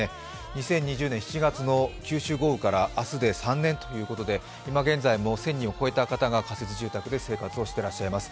２０２０年７月の九州豪雨から明日で３年ということで今現在も１０００人を超えた方が仮設住宅で生活をしていらっしゃいます。